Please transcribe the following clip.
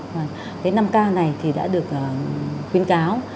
cái năm ca này thì đã được khuyến cáo